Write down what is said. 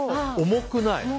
重くないね。